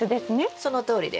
そのとおりです。